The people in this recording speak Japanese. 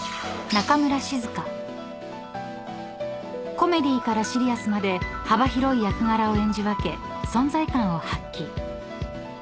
［コメディーからシリアスまで幅広い役柄を演じ分け存在感を発揮］